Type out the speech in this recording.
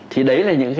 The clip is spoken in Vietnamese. thì đấy là những cái